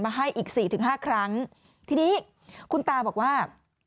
มาให้อีก๔๕ครั้งทีนี้คุณตาบอกว่า